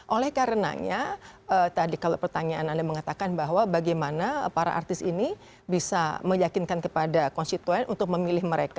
oleh karenanya tadi kalau pertanyaan anda mengatakan bahwa bagaimana para artis ini bisa meyakinkan kepada konstituen untuk memilih mereka